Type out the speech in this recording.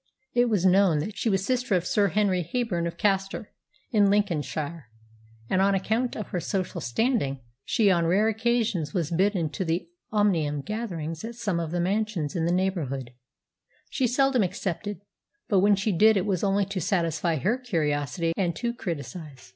It was known that she was sister of Sir Henry Heyburn of Caistor, in Lincolnshire; and, on account of her social standing, she on rare occasions was bidden to the omnium gatherings at some of the mansions in the neighbourhood. She seldom accepted; but when she did it was only to satisfy her curiosity and to criticise.